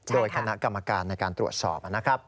โดยคณะกรรมการในการตรวจสอบนะครับ